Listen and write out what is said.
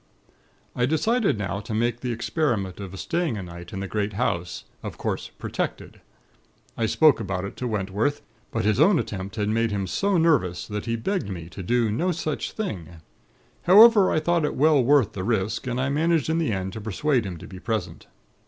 "I decided now to make the experiment of staying a night in the great hall, of course 'protected.' I spoke about it to Wentworth; but his own attempt had made him so nervous that he begged me to do no such thing. However, I thought it well worth the risk, and I managed in the end to persuade him to be present.